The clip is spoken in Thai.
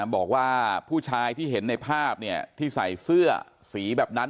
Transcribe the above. บอกว่าผู้ชายที่เห็นในภาพที่ใส่เสื้อสีแบบนั้น